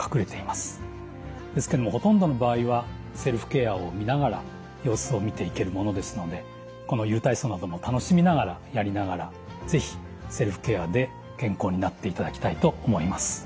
ですけどもほとんどの場合はセルフケアを見ながら様子を見ていけるものですのでこのゆる体操なども楽しみながらやりながら是非セルフケアで健康になっていただきたいと思います。